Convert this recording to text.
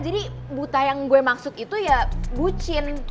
jadi buta yang gue maksud itu ya bucin